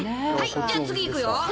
じゃあ次いくよ。